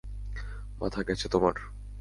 মাথা গেছে তোমার।